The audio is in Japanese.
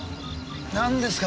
なんですか？